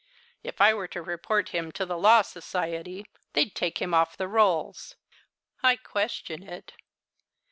"If I were to report him to the Law Society they'd take him off the rolls." "I question it."